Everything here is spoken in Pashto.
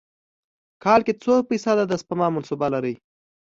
کال کې څو فیص ده د سپما منصوبه لرئ؟